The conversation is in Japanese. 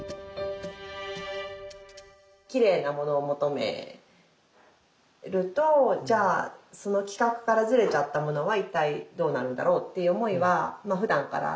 きれいなものを求めるとじゃあその規格からずれちゃったものは一体どうなるんだろうっていう思いはまあふだんからあって。